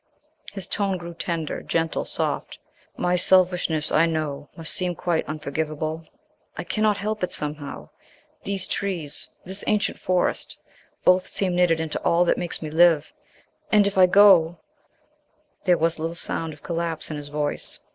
His tone grew tender, gentle, soft. "My selfishness, I know, must seem quite unforgivable. I cannot help it somehow; these trees, this ancient Forest, both seem knitted into all that makes me live, and if I go " There was a little sound of collapse in his voice.